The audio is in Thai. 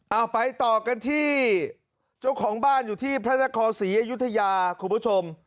เอาไปต่อกันที่เจ้าของบ้านอยู่ที่พระนครศรีอยุธยาคุณผู้ชม